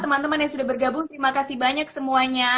teman teman yang sudah bergabung terima kasih banyak semuanya